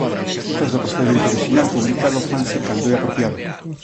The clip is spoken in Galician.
As citas do procedemento orixinal publicado fanse cando é apropiado.